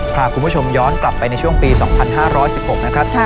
พาคุณผู้ชมย้อนกลับไปในช่วงปี๒๕๑๖นะครับ